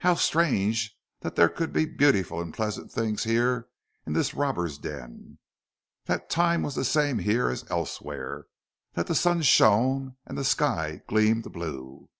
How strange that there could be beautiful and pleasant things here in this robber den; that time was the same here as elsewhere; that the sun shone and the sky gleamed blue.